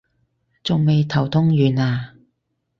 仲未頭痛完啊？